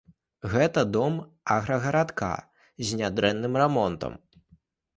Гэта дом аграгарадка з нядрэнным рамонтам.